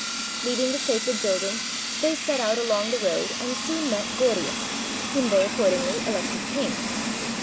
Leaving the sacred building, they set out along the road and soon met Gordius, whom they accordingly elected king.